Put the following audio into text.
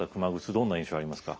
どんな印象ありますか？